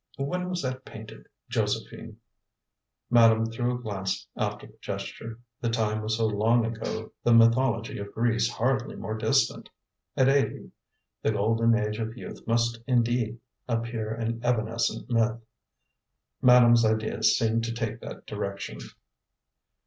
"When that was painted, Josephine " Madame threw a glance after the gesture. The time was so long ago, the mythology of Greece hardly more distant! At eighty the golden age of youth must indeed appear an evanescent myth. Madame's ideas seemed to take that direction.